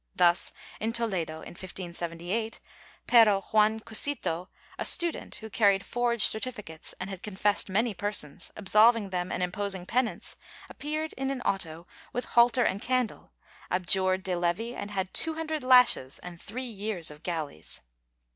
Thus in Toledo, in 1578, Pero Joan Queito, a student, who carried forged certificates and had confessed many persons, absolving them and imposing penance, appeared in an auto, with halter and candle, abjured de levi, and had two hundred lashes and three years of galleys.